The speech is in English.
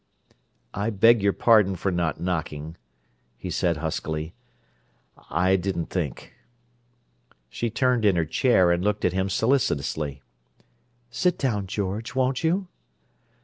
"I beg your pardon for not knocking," he said huskily. "I didn't think." She turned in her chair and looked at him solicitously. "Sit down, George, won't you?"